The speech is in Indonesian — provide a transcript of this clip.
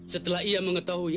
setelah ia mengetahui